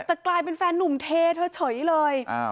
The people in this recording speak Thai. แต่กลายเป็นแฟนนุ่มเทเธอเฉยเลย